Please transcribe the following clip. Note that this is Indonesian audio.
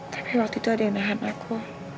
tapi waktu itu ada yang nahan aku